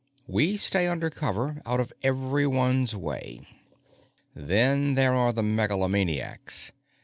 We stay under cover, out of everyone's way._ _Then there are the megalomaniacs.